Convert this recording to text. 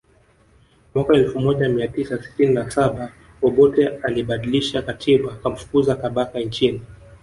Mwaka elfu moja mia tisa sitini na saba Obote alibadilisha katiba akamfukuza Kabaka nchini